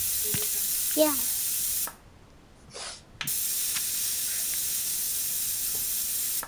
Wright presents his five-act hermeneutic as follows.